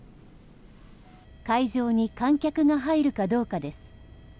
会場に観客が入るかどうかです。